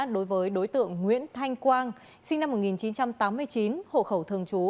đối với đối tượng nguyễn thanh quang sinh năm một nghìn chín trăm tám mươi chín hộ khẩu thường trú